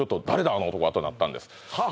あの男は」となったんですはは